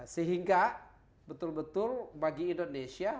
sehingga betul betul bagi indonesia